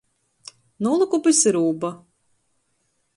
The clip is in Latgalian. Nūlyku pi syrūba.